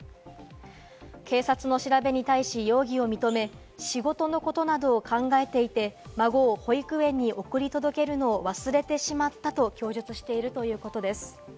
警察の調べに対し容疑を認め、仕事のことなどを考えていて孫を保育園に送り届けるのを忘れてしまったと供述しているということです。